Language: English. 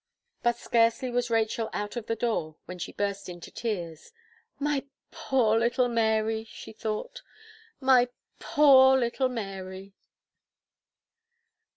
But scarcely was Rachel out of the door, when she burst into tears. "My poor little Mary," she thought, "my poor little Mary!"